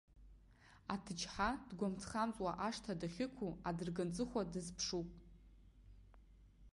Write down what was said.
Аҭыџьҳа дгәамҵхамҵуа ашҭа дахьықәу адырганҵыхәа дазԥшуп.